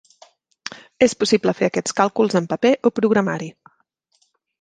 És possible fer aquests càlculs en paper o programari.